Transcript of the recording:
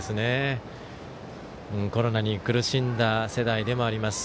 コロナに苦しんだ世代でもあります。